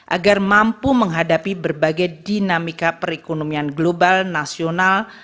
agar mampu menghadapi berbagai dinamika perekonomian global nasional